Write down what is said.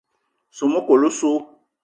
Soo mekol osso.